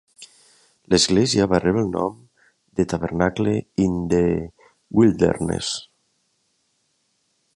L'església va rebre el nom de "Tabernacle In The Wilderness".